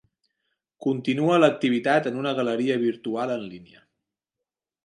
Continua l'activitat en una galeria virtual en línia.